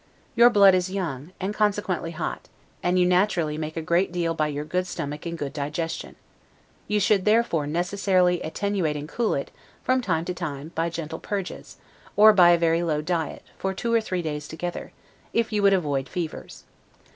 Your blood is young, and consequently hot; and you naturally make a great deal by your good stomach and good digestion; you should, therefore, necessarily attenuate and cool it, from time to time, by gentle purges, or by a very low diet, for two or three days together, if you would avoid fevers.